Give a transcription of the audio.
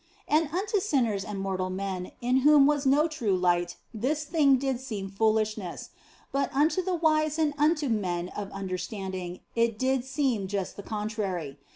And unto sinners and mortal men in whom was no true light this thing did seem OF FOLIGNO 35 foolishness, but unto the wise and unto men of under standing it did seem just the contrary.